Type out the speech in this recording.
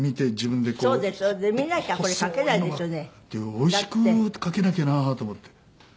おいしく描けなきゃなと思って。